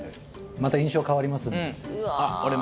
また印象変わりますので。